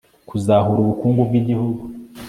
kuzahura ubukungu bw igihugu